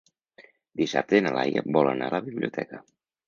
Dissabte na Laia vol anar a la biblioteca.